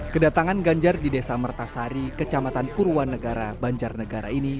kedatangan ganjar di desa mertasari kecamatan purwan negara banjarnegara ini